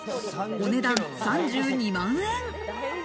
お値段３２万円。